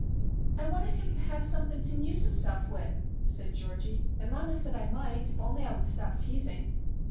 "I wanted him to have something to 'muse himself with," said Georgie, "and mamma said I might, if only I would stop teasing."